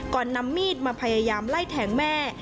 นำมีดมาพยายามไล่แทงแม่